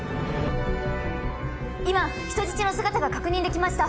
今人質の姿が確認できました